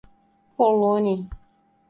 Poloni